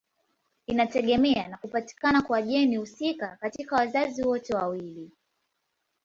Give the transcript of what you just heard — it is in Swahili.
Inategemea na kupatikana kwa jeni husika katika wazazi wote wawili.